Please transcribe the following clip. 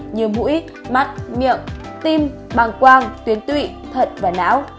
như mũi mắt miệng tim bàng quang tuyến tụy thận và não